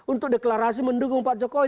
untuk deklarasi mendukung pak jokowi